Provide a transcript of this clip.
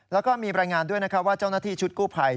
แล้วก็มีบรรยายงานด้วยว่าเจ้าหน้าที่ชุดกู้ไพร